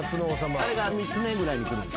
あれが３つ目ぐらいにくるんか。